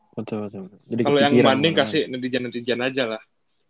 kalau yang banding kasih netizen netizen aja lah